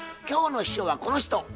今日の秘書はこの人。